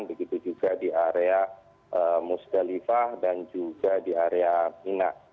begitu juga di area musdalifah dan juga di area mina